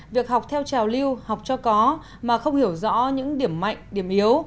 việc học theo trào lưu học cho có mà không hiểu rõ những điểm mạnh điểm yếu